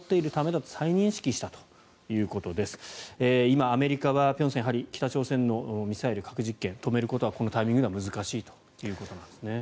辺さん、今、アメリカは北朝鮮のミサイル、核実験を止めることはこのタイミングでは難しいということなんですね。